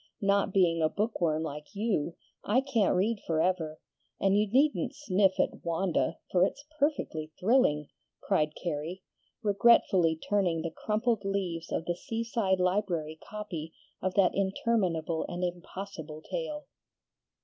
"Not being a book worm like you, I can't read forever, and you needn't sniff at 'Wanda,' for it's perfectly thrilling!" cried Carrie, regretfully turning the crumpled leaves of the Seaside Library copy of that interminable and impossible tale.